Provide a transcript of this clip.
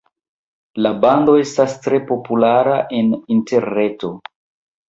La bando estas tre populara en interreto.